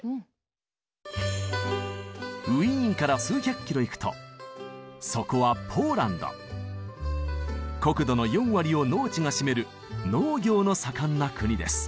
ウィーンから数百キロ行くとそこは国土の４割を農地が占める農業の盛んな国です。